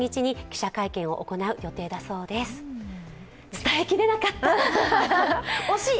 伝えきれなかった、惜しい。